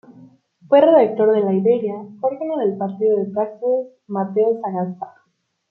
Fue redactor de "La Iberia", órgano del partido de Práxedes Mateo Sagasta.